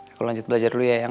aku lanjut belajar dulu ya yang